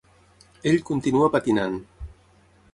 Ell continua patinant.